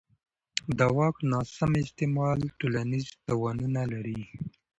د واک ناسم استعمال ټولنیز تاوانونه لري